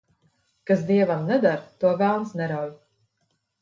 Kas dievam neder, to velns nerauj.